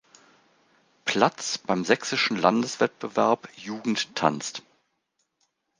Platz beim Sächsischen Landeswettbewerb „Jugend tanzt“.